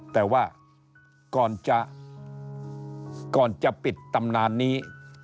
แต่ว่าก่อนจะปิดตำนานนี้